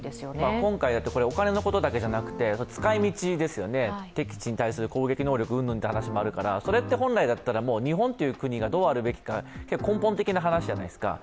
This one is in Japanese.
今回、お金のことだけじゃなくて使い道ですよね、敵基地に対する攻撃能力云々という話もあるからそれって本来だったら日本という国がどうあるべきか根本的な話じゃないですか。